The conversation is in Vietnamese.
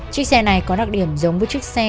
chiếc xe này có đặc điểm giống với chiếc xe